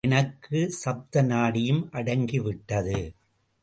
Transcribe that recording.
எனக்கு சப்த நாடியும் அடங்கிவிட்டது.